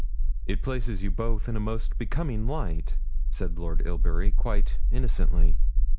'It places you both in a most becoming light,' said Lord Ilbury, quite innocently.